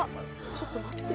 ちょっと待って？